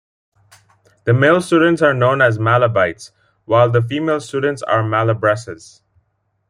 The male students are known as Malabites, while the female students are Malabresses.